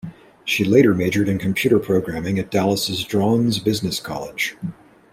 She later majored in computer programming at Dallas's Draughon's Business College.